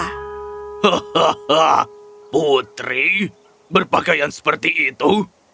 hahaha putri berpakaian seperti itu